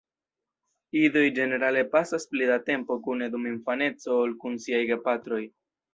Idoj ĝenerale pasas pli da tempo kune dum infaneco ol kun siaj gepatroj.